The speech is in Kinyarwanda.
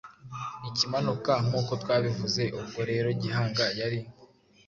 Ikimanuka nk'uko twabivuze. Ubwo rero Gihanga yari "